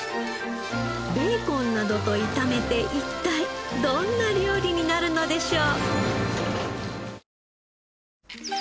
ベーコンなどと炒めて一体どんな料理になるのでしょう？